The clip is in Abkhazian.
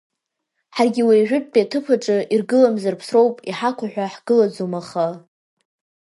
Ҳаргьы уи ажәытәтәи аҭыԥ аҿы иргыламзар ԥсроуп иҳақәу ҳәа ҳгылаӡом аха…